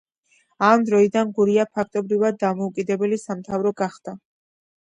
ამ დროიდან გურია ფაქტობრივად დამოუკიდებელი სამთავრო გახდა.